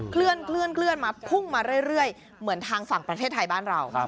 เคลื่อนมาพุ่งมาเรื่อยเหมือนทางฝั่งประเทศไทยบ้านเรา